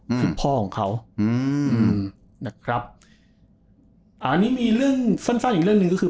คือพ่อของเขาอืมนะครับอ่าอันนี้มีเรื่องสั้นสั้นอีกเรื่องหนึ่งก็คือ